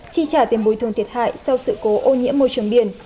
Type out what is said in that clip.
chi trả tiền bồi thường thiệt hại sau sự cố ô nhiễm môi trường biển